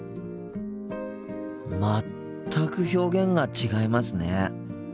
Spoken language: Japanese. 全く表現が違いますね。